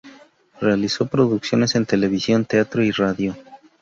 Realizó producciones en televisión, teatro y radio.